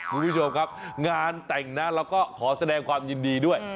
คุณผู้ชมครับงานแต่งนะเราก็ขอแสดงความยินดีด้วย